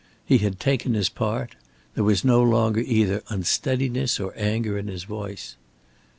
He had taken his part. There was no longer either unsteadiness or anger in his voice.